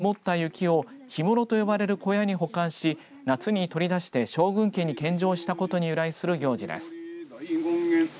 氷室開きは、江戸時代に加賀藩が冬に積もった雪を氷室と呼ばれる小屋に保管し夏に取り出して将軍家に献上したことに由来する行事です。